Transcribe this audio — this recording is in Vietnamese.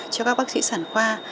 cho các bác sĩ sản khoa